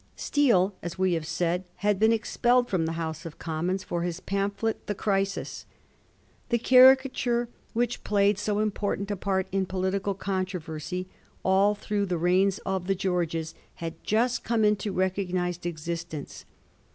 Steele, as we have said, had been expelled from the House of Commons for his pamphlet * The Crisis.' The caricature which played so important a part in political controversy all through the reigns of the Georges had just come into recog nised existence.